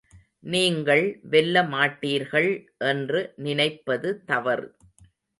நீங்கள் வெல்ல மாட்டீர்கள் என்று நினைப்பது தவறு.